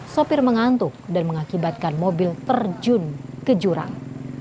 sopir mengantuk dan mengakibatkan mobil terjun ke jurang